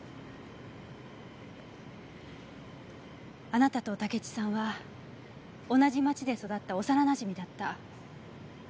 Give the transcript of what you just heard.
あなたと竹地さんは同じ町で育った幼なじみだった。